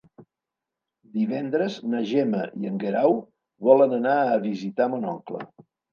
Divendres na Gemma i en Guerau volen anar a visitar mon oncle.